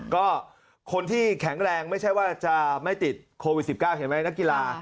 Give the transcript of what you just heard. ก็คนที่แข็งแรงไม่ใช่ว่าจะไม่ติดโควิด๑๙เห็นไหมนักกีฬา